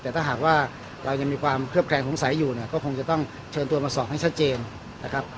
แต่ถ้าหากว่าเรายังมีความเคลือบแคลงสงสัยอยู่เนี่ยก็คงจะต้องเชิญตัวมาสอบให้ชัดเจนนะครับ